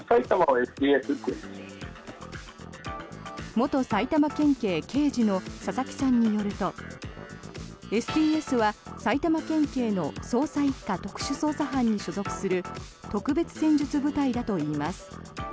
元埼玉県警刑事の佐々木さんによるとＳＴＳは埼玉県警の捜査１課特殊捜査班に所属する特別戦術部隊だといいます。